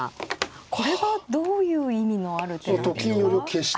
これはどういう意味のある手なんですか？と金寄り消し。